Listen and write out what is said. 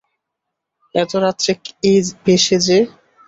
এত রাত্রে এ বেশে যে?